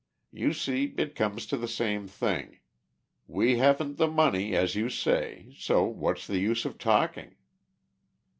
You see it comes to the same thing. We haven't the money as you say, so what's the use of talking?"